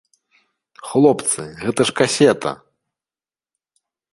Хлопцы, гэта ж касета.